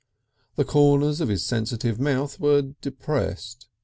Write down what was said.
The corners of his sensitive mouth were depressed.